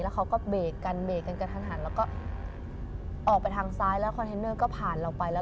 เขาก็เบรกกันเบรกกันกระทันหันแล้วก็ออกไปทางซ้ายแล้วคอนเทนเนอร์ก็ผ่านเราไปแล้ว